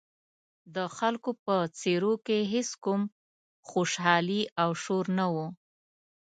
د خلکو په څېرو کې هېڅ کوم خوشحالي او شور نه و.